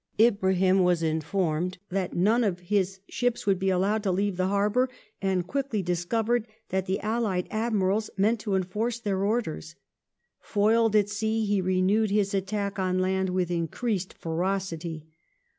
Ibrahim was informed that none of his ships would be allowed to leave the harbour, and quickly discovered that the allied Admirals meant to enforce their ordei s. Foiled at sea he renewed his attack on land with increased ferocity.